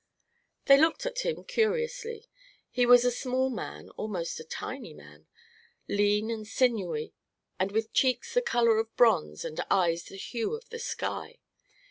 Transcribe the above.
They looked at him curiously. He was a small man almost a tiny man lean and sinewy and with cheeks the color of bronze and eyes the hue of the sky.